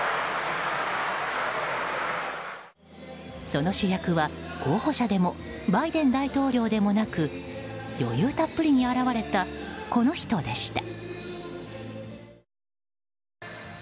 その主役は候補者でもバイデン大統領でもなく余裕たっぷりに現れたこの人でした。